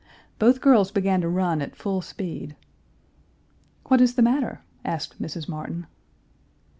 Both girls began to run at full speed. "What is the master?" asked Mrs. Martin.